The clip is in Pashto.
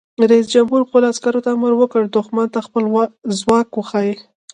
رئیس جمهور خپلو عسکرو ته امر وکړ؛ دښمن ته خپل ځواک وښایئ!